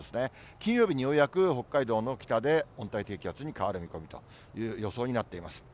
金曜日にようやく北海道の北で温帯低気圧に変わる見込みという予想になっています。